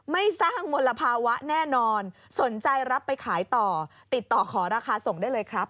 ไม่สร้างมลภาวะแน่นอนสนใจรับไปขายต่อติดต่อขอราคาส่งได้เลยครับ